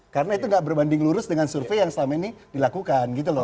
karena itu tidak berbanding lurus dengan survei yang selama ini dilakukan gitu loh